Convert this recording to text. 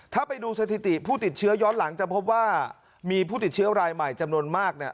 ถ้าไปดูสถิติผู้ติดเชื้อย้อนหลังจะพบว่ามีผู้ติดเชื้อรายใหม่จำนวนมากเนี่ย